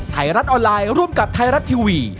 ไทยรัฐออนไลน์ร่วมกับไทยรัฐทีวี